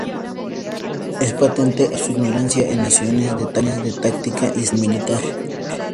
Es patente, además, su ignorancia en nociones de táctica y estrategia militar.